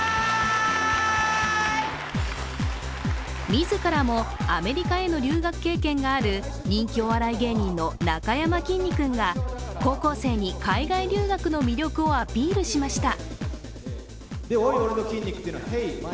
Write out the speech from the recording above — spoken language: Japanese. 自らもアメリカへの留学経験がある人気お笑い芸人のなかやまきんに君が高校生に海外留学の魅力をアピールしました。